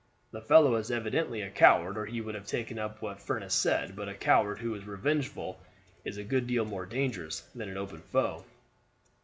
The fellow is evidently a coward or he would have taken up what Furniss said; but a coward who is revengeful is a good deal more dangerous than an open foe.